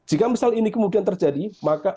jika misal ini kemudian terjadi maka